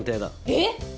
えっ！